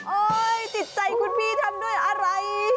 จิตใจคุณพี่ทำด้วยอะไร